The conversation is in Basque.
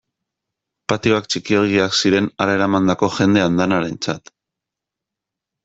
Patioak txikiegiak ziren hara eramandako jende andanarentzat.